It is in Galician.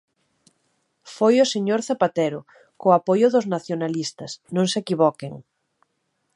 Foi o señor Zapatero, co apoio dos nacionalistas, non se equivoquen.